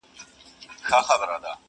پېژندلی پر ایران او پر خُتن وو!!